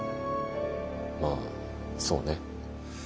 まあそうね。